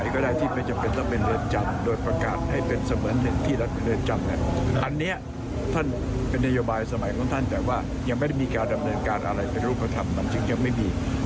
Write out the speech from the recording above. คือจะเงินจำกว่าคุณที่บ้านไม่ได้